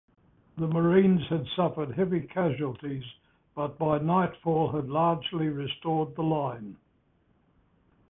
The Marines had suffered heavy casualties but by nightfall had largely restored the line.